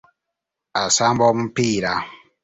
Asamba omupiira.